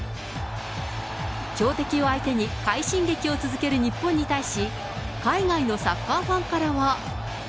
強敵を相手に、快進撃を続ける日本に対し、海外のサッカーファンからは。